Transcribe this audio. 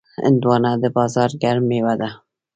هندوانه د بازار ګرم میوه ده.